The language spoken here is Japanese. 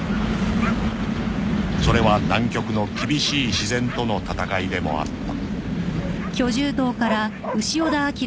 ［それは南極の厳しい自然との闘いでもあった］